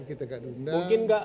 kita nggak diundang